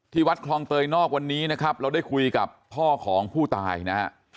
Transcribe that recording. วัดคลองเตยนอกวันนี้นะครับเราได้คุยกับพ่อของผู้ตายนะฮะ